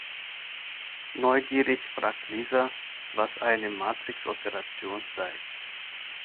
Neugierig fragt Lisa, was eine Matrixoperation sei.